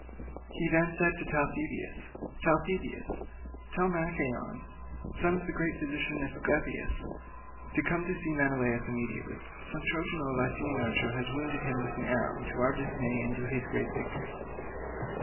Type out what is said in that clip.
He then said to Talthybius, "Talthybius, tell Machaon, son to the great physician, Aesculapius, to come and see Menelaus immediately. Some Trojan or Lycian archer has wounded him with an arrow to our dismay, and to his own great glory."